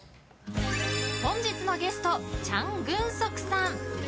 本日のゲストチャン・グンソクさん。